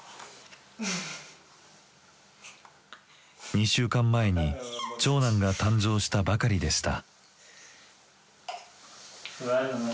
２週間前に長男が誕生したばかりでした。